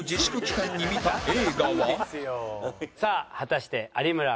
さあ果たして有村昆さん。